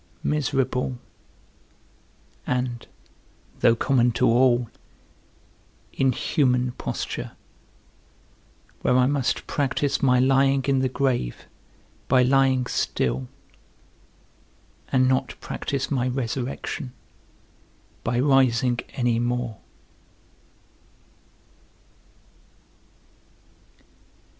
Miserable, and (though common to all) inhuman posture, where I must practise my lying in the grave by lying still, and not practise my resurrection by rising any more.